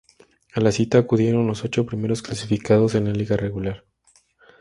A la cita acudieron los ocho primeros clasificado en la liga regular.